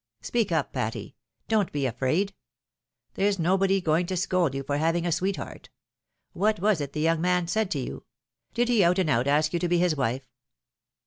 Speak iip, Patty ! don't be afraid. There's nobody going to scold you for having a sweet heart. What was it the young man said to you? Did he out and out ask you to be his wife